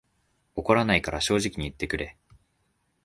怒らないから正直に言ってくれ